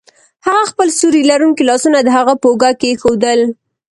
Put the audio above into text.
هغه خپل سیوري لرونکي لاسونه د هغه په اوږه کیښودل